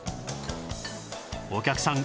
お客さん